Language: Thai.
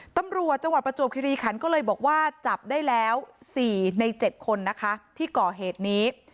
ตำรวจประจวบคิรีขันต์ก็เลยบอกว่าจับได้แล้ว๔ใน๗คนที่ก่อเหตุนี้